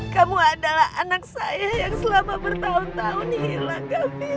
kamu adalah anak saya yang selama bertahun tahun hilang